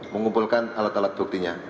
mengumpulkan alat alat buktinya